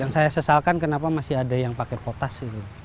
yang saya sesalkan kenapa masih ada yang pakai kotak